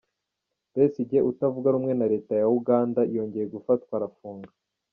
Besigye utavuga rumwe na Leta ya Uganda yongeye gufatwa arafungwa